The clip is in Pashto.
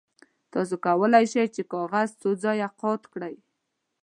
تاسو کولی شئ چې کاغذ څو ځایه قات کړئ.